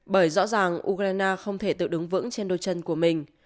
bởi rõ ràng ukraine không thể tự đứng vững trên đôi chân của mình